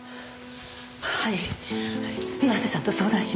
はい岩瀬さんと相談しました。